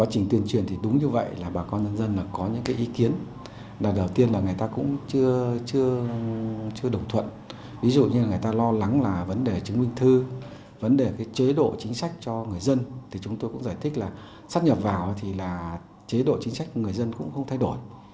chế độ chính sách của người dân cũng không thay đổi